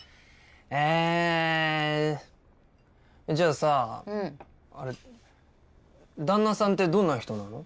ええじゃあさ旦那さんってどんな人なの？